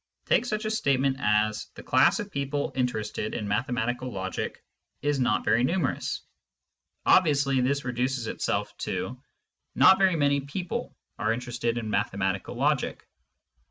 Take such a statement as, " The class of people interested in mathematical logic is not very numerous." Obviously this reduces itself to, "Not very many people are interested in mathematical logic."